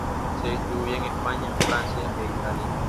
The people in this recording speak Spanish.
Se distribuye en España, Francia e Italia.